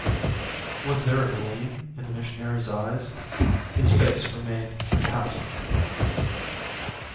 Was there a gleam in the missionary's eyes? His face remained impassive.